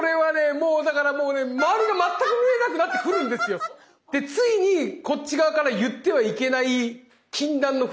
もうだからもうね周りが全く見えなくなってくるんですよ。でついにこっち側から言ってはいけない禁断のフレーズを言ってしまうんです。